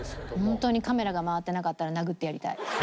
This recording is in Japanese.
本当にカメラが回ってなかったら殴ってやりたい。